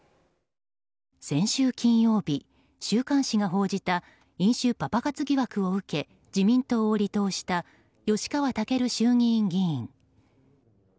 先週金曜日、週刊誌が報じた飲酒パパ活疑惑を受け自民党を離党した吉川赳衆議院議員。